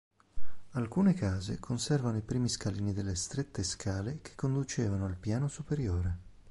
Alcune case conservano i primi scalini delle strette scale che conducevano al piano superiore.